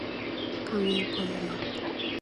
강이 보여요.